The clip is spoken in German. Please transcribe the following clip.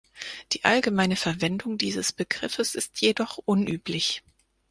Die allgemeine Verwendung dieses Begriffes ist jedoch unüblich.